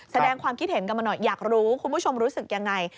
แสดงความคิดเห็นกันมาหน่อยอยากรู้คุณผู้ชมรู้สึกยังไง